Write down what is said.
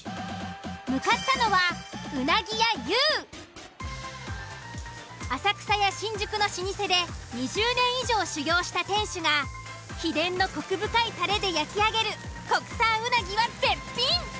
向かったのは浅草や新宿の老舗で２０年以上修業した店主が秘伝のコク深いタレで焼き上げる国産うなぎは絶品。